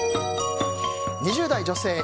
２０代女性。